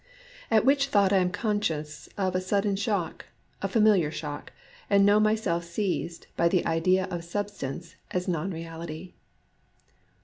At which thought I am conscious of a sudden soft shock, a familiar shock, and know DUST 87 myself seized by the idea of Substance as Non Keality.